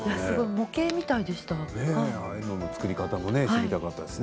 模型みたいでした。